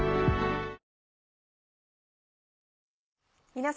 皆様。